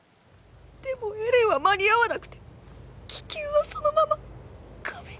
でもエレンは間に合わなくて気球はそのまま壁に。